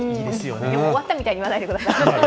もう終わったみたいに言わないでください。